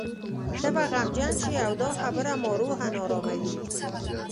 ته به غمجن شې او دا خبره ما روحاً اراموي.